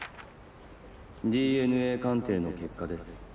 ＤＮＡ鑑定の結果です。